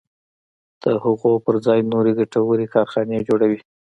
د هغو پر ځای نورې ګټورې کارخانې جوړوي.